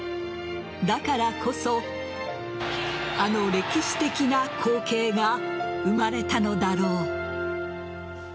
だからこそあの歴史的な光景が生まれたのだろう。